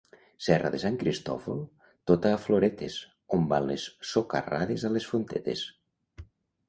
Serra de Sant Cristòfol tota a floretes, on van les socarrades a les fontetes.